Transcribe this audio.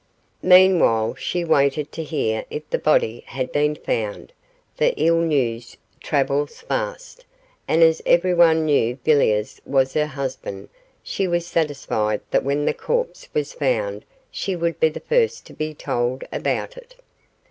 Meanwhile she waited to hear if the body had been found, for ill news travels fast; and as everyone knew Villiers was her husband, she was satisfied that when the corpse was found she would be the first to be told about it.